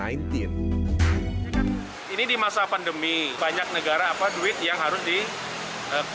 ini di masa pandemi banyak negara apa duit yang harus dikonsumsi